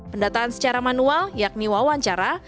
pendataan secara manual yakni wawancara